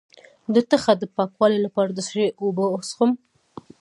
د تخه د پاکوالي لپاره د څه شي اوبه وڅښم؟